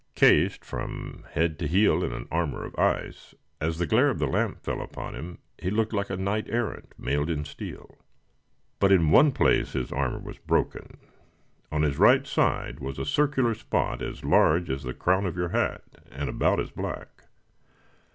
Cased from head to heel in an armor of ice, as the glare of the lamp fell upon him he looked like a knight errant mailed in steel. But in one place his armor was broken. On his right side was a circular spot as large as the crown of your hat, and about as black!